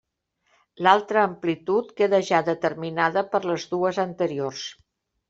L'altra amplitud queda ja determinada per les dues anteriors.